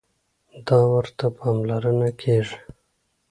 دا ورته پاملرنه کېږي.